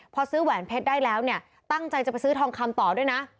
พอซื้อแหวนเพชรได้แล้วเนี่ยตั้งใจจะไปซื้อทองคำต่อด้วยนะ